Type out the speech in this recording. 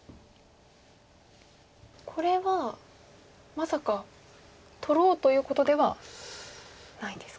これはまさか取ろうということではないんですか。